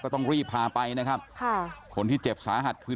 ต้องรีบพาไปนะครับค่ะคนที่เจ็บสาหัสคือ